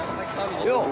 よう！